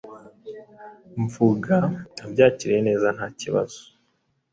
numva abyakiriye neza ntakibazo